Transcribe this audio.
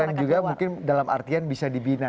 yang juga mungkin dalam artian bisa dibina